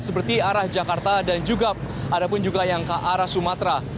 seperti arah jakarta dan juga ada pun juga yang ke arah sumatera